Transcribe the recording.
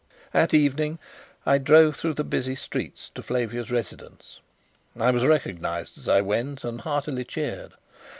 As evening fell, I drove through the busy streets to Flavia's residence. I was recognized as I went and heartily cheered.